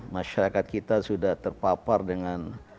masyarakat kita sudah terpapar dengan